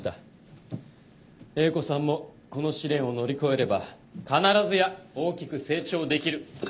英子さんもこの試練を乗り越えれば必ずや大きく成長できる。